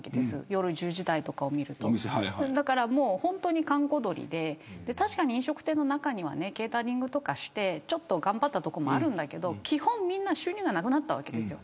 夜１０時台とかを見ると本当に閑古鳥で確かに飲食店の中にはケータリングとかして頑張ったところもあるんだけど基本、みんな収入がなくなったわけです。